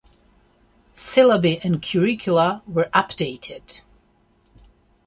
Syllabi and curricula were updated.